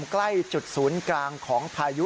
ใกล้จุดศูนย์กลางของพายุ